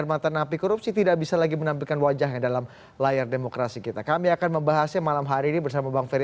yang menjadi atasan